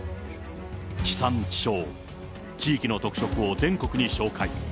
地産地消、地域の特色を全国に紹介。